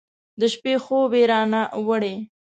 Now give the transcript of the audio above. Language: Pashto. د شپې خوب یې رانه وړی